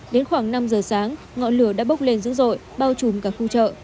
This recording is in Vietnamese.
đến khoảng năm giờ sáng ngọn lửa đã bốc lên dữ dội bao trùm cả khu chợ